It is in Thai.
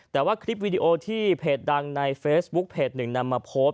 แต่ว่าคลิปวีดีโอที่เพจดังในเฟซบุ๊คเพจหนึ่งนำมาโพสต์